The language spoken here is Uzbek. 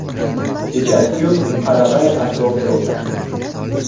pechakgul qarag‘ay atrofida o‘sadi.